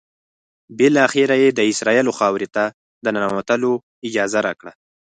بالآخره یې د اسرائیلو خاورې ته د ننوتلو اجازه راکړه.